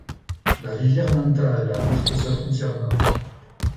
La rivière Nantahala marque sa frontière nord.